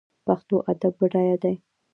پښتو ادب بډای دی